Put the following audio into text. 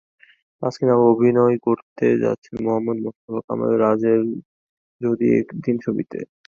তাসকিন এবার অভিনয় করতে যাচ্ছেন মুহাম্মদ মোস্তফা কামাল রাজের যদি একদিন ছবিতে।